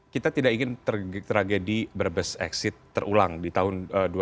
kita tidak ingin tragedi berbes exit terulang di tahun dua ribu enam belas